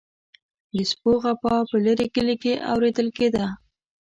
د سپو غپا په لرې کلي کې اوریدل کیده.